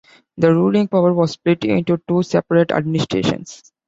The ruling power was split into two separate administrations.